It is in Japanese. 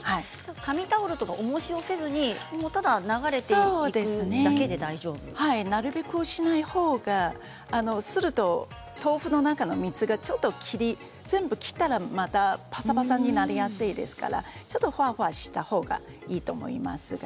紙タオルやおもしをせずになるべくしないほうがすると豆腐の中の水が全部切ったらまたぱさぱさになりやすいですからちょっとほわほわしたほうがいいと思います。